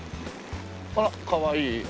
あらかわいい。